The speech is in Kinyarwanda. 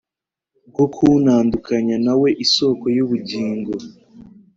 bwo kuntandukanya nawe, isoko y'ubugingo.